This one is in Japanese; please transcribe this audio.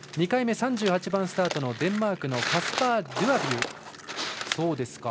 ２回目、３８番スタートのデンマークのカスパー・ドュアビュー。